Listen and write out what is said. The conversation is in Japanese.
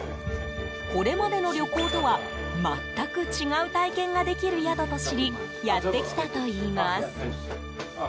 これまでの旅行とは全く違う体験ができる宿と知りやってきたといいます。